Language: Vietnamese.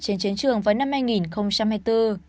trên chiến trường vào năm hai nghìn hai mươi bốn